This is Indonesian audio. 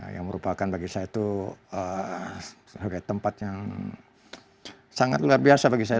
yang merupakan bagi saya itu sebagai tempat yang sangat luar biasa bagi saya